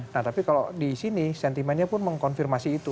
nah tapi kalau di sini sentimennya pun mengkonfirmasi itu